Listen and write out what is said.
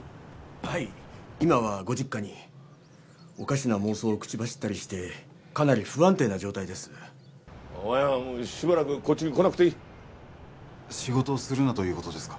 はい今はご実家におかしな妄想を口走ったりしてかなり不安定な状態ですお前はしばらくこっちに来なくていい仕事するなということですか？